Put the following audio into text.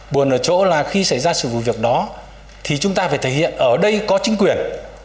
buồn ở chỗ là khi xảy ra sự vụ việc đó thì chúng ta phải thể hiện ở đây có chính quyền